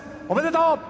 おめでとう！